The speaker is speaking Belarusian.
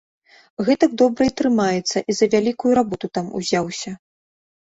Гэтак добра і трымаецца і за вялікую работу там узяўся.